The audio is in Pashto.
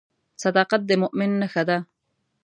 صداقت د مؤمن نښه ده.